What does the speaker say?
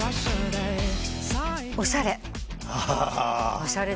おしゃれ。